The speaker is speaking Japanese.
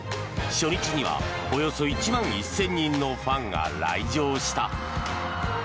初日にはおよそ１万１０００人のファンが来場した。